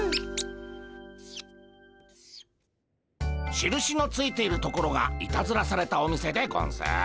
しるしのついているところがいたずらされたお店でゴンス。